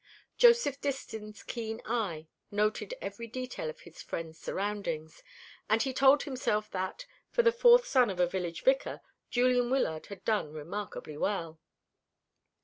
Joseph Distin's keen eye noted every detail of his friend's surroundings; and he told himself that, for the fourth son of a village vicar, Julian Wyllard had done remarkably well.